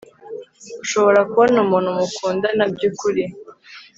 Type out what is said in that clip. ushobora kubona umuntu mukundana by'ukuri